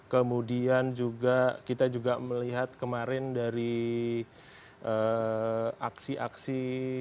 kemudian juga kita juga melihat kemarin dari aksi aksi dua ratus dua belas